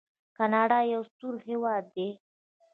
کاناډا یو سوړ هیواد دی.